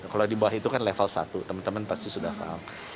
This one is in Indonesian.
kalau di bawah itu kan level satu teman teman pasti sudah paham